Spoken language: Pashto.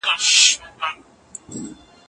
نور به لاس تر غاړي پکښی ګرځو بې پروا به سو